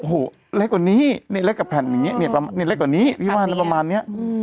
โอ้โหเล็กกว่านี้เนี่ยเล็กกับแผ่นอย่างนี้เนี่ยเล็กกว่านี้พี่ว่าอะไรประมาณเนี้ย